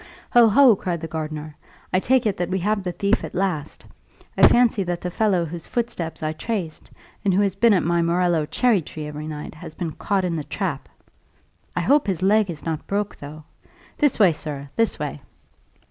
"Ho! ho!" cried the gardener, "I take it that we have the thief at last. I fancy that the fellow whose footsteps I traced, and who has been at my morello cherry tree every night, has been caught in the trap. I hope his leg is not broke, though! This way, sir this way!"